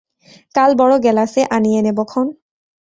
কাল বড় গেলাসে আনিয়ে নেব ক্ষণ।